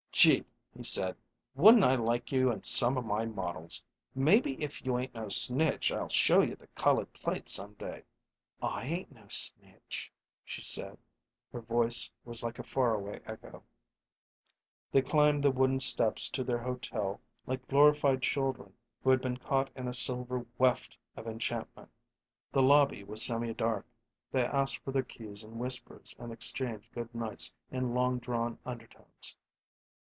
"Gee!" he said. "Wouldn't I like you in some of my models! Maybe if you ain't no snitch I'll show you the colored plates some day." "I ain't no snitch," she said. Her voice was like a far away echo. They climbed the wooden steps to their hotel like glorified children who had been caught in a silver weft of enchantment. The lobby was semi dark; they asked for their keys in whispers and exchanged good nights in long drawn undertones.